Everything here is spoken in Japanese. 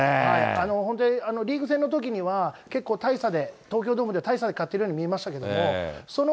本当にリーグ戦のときには結構、大差で東京ドームで大差で勝ってるように見えましたけれども、その、